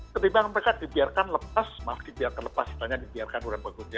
ketimbang mereka dibiarkan lepas maaf dibiarkan lepas tanya dibiarkan orang lain ya